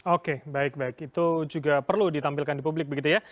oke baik baik itu juga perlu ditampilkan di publik begitu ya